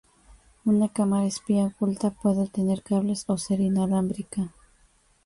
Una cámara espía oculta puede tener cables o ser inalámbrica.